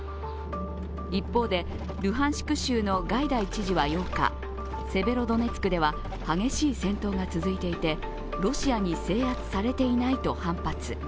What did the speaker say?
一方でルハンシク州のガイダイ知事は８日セベロドネツクでは激しい戦闘が続いていてロシアに制圧されていないと反発。